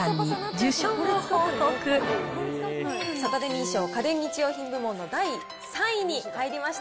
サタデミー賞家電・日用品部門の第３位に入りました。